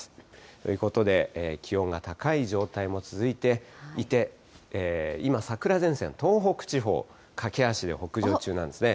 ということで、気温が高い状態も続いていて、今、桜前線、東北地方、駆け足で北上中なんですね。